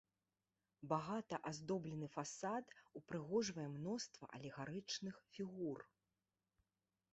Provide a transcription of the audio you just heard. Багата аздоблены фасад упрыгожвае мноства алегарычных фігур.